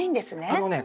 あのね